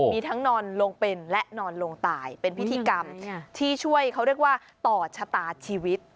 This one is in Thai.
มีทั้งนอนลงเป็นและนอนลงตายเป็นพิธีกรรมที่ช่วยเขาเรียกว่าต่อชะตาชีวิต